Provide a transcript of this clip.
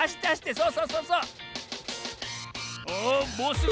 そうそうそう。